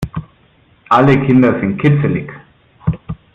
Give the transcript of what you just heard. Alle Kinder sind kitzelig.